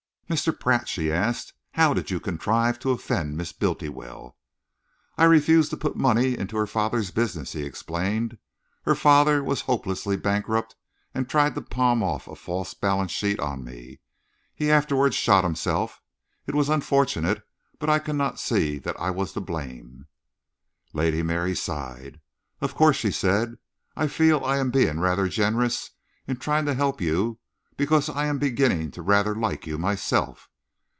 "Mr. Pratt," she asked, "how did you contrive to offend Miss Bultiwell?" "I refused to put some money into her father's business," he explained. "Her father was hopelessly bankrupt and tried to palm off a false balance sheet on me. He afterwards shot himself. It was unfortunate, but I cannot see that I was to blame." Lady Mary sighed. "Of course," she said, "I feel I am being rather generous in trying to help you, because I am beginning to rather like you myself."